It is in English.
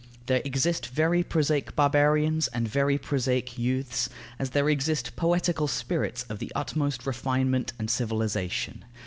There exist very prosaic barbarians and very prosaic youths, as there exist poetical spirits of the utmost refinement and civilization.